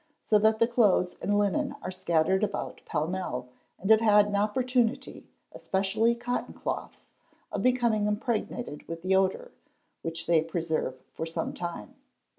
so that — the clothes and linen are scattered about pellmell and have had an ~ opportunity, especially cotton cloths, of become impregnated with the odour, which they preserve for some time.